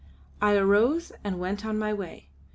I arose and went on my way.